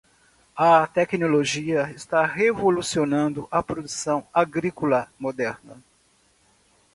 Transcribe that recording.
A tecnologia está revolucionando a produção agrícola moderna.